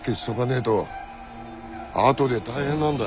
えとあとで大変なんだ。